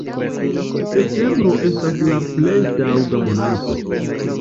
Septembro estas la plej taŭga monato.